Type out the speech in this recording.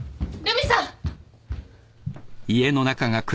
留美さん！